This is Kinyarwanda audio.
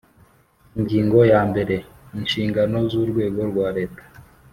Ingingo ya mbere Inshingano z urwego rwa Leta